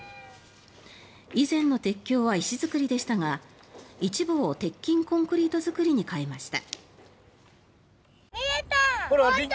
以前の鉄橋は石造りでしたが一部を鉄筋コンクリート造りに変えました。